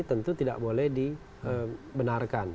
tentu tidak boleh dibenarkan